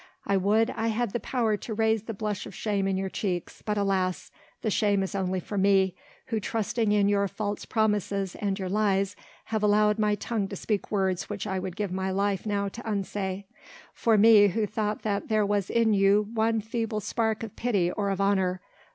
I would I had the power to raise the blush of shame in your cheeks, but alas! the shame is only for me, who trusting in your false promises and your lies have allowed my tongue to speak words which I would give my life now to unsay for me who thought that there was in you one feeble spark of pity or of honour.